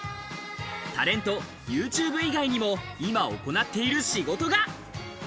タレント、ユーチューブ以外にも、今行っている仕事が。